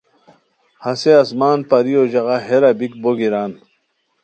ہسے آسمان پریو ژاغہ، ہیرا بیک بو گیران